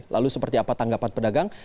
lalu seperti apa tanggapan pedagang